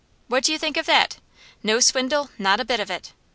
What do you think of that? No swindle; not a bit of it.